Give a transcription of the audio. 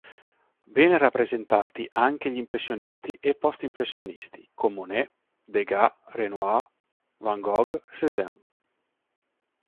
Ben rappresentati anche gli impressionisti e post-impressionisti, con Monet, Degas, Renoir, Van Gogh, Cézanne.